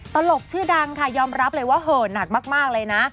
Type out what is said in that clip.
ตลกชื่อดังค่ะยอมรับเลยว่าเหินหนักมากเลยนะ